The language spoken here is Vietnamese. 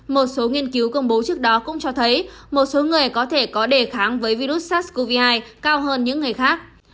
một số nghiên cứu công bố trước đó cũng cho thấy một số người có thể có đề kháng với virus sars cov hai cao hơn những người khác